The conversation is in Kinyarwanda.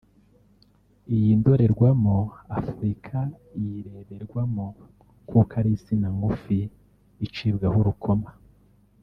Iyi ndorerwamo Afurika iyireberwamo kuko ari insina ngufi icibwaho urukoma